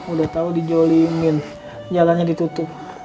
udah tau dijolimin jalannya ditutup